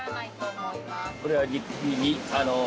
これは。